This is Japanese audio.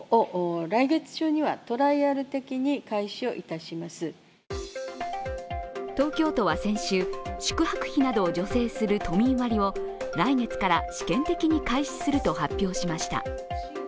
その理由は東京都は先週、宿泊費などを助成する都民割を、来月から試験的に開始すると発表しました。